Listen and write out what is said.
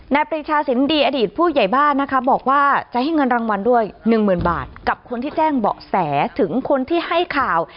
ปรีชาสินดีอดีตผู้ใหญ่บ้านนะคะบอกว่าจะให้เงินรางวัลด้วย๑๐๐๐บาทกับคนที่แจ้งเบาะแสถึงคนที่ให้ข่าว